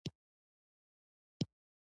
اوبه ژوند دی او ساتنه یې وکړی